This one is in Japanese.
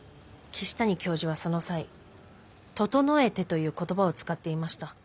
岸谷教授はその際「整えて」という言葉を使っていました。